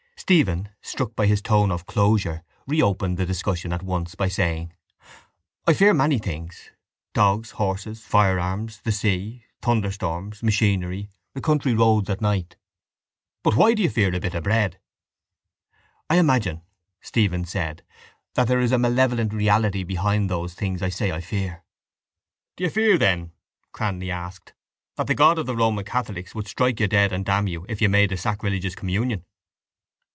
Stephen, struck by his tone of closure, reopened the discussion at once by saying: —I fear many things: dogs, horses, firearms, the sea, thunderstorms, machinery, the country roads at night. —But why do you fear a bit of bread? —I imagine, Stephen said, that there is a malevolent reality behind those things I say I fear. —Do you fear then, Cranly asked, that the God of the Roman catholics would strike you dead and damn you if you made a sacrilegious communion?